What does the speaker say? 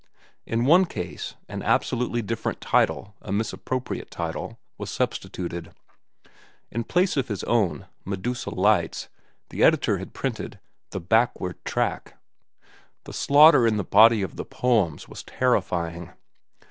In one case, an absolutely different title, a misappropriate title, was substituted. In place of his own, "Medusa Lights," the editor had printed, "The Backward Track." But the slaughter in the body of the poems was terrifying.